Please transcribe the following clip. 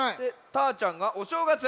たーちゃんが「おしょうがつ」。